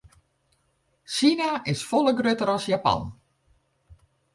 Sina is folle grutter as Japan.